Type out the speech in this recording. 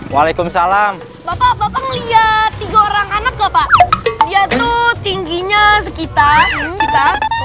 waalaikumsalam bapak bapak melihat tiga orang anak bapak bapak dia tuh tingginya sekitar kita